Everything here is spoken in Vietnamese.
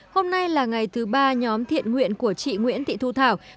hôm nay là ngày thứ ba nhóm thiện nguyện của chị nguyễn thị thu thảo